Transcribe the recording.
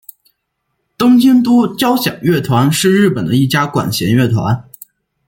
东京都交响乐团是日本的一家管弦乐团。